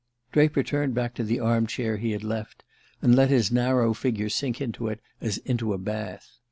Draper turned back to the arm chair he had left, and let his narrow figure sink down into it as into a bath.